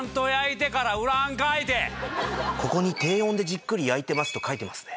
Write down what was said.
ここに「低温でじっくり焼いてます」と書いてますね。